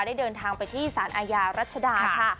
ได้เดินทางไปที่สารอาญารัชดาค่ะ